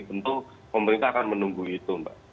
tentu pemerintah akan menunggu itu mbak